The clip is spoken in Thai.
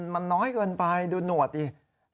มันน้อยเกินไปดูหนวดดิ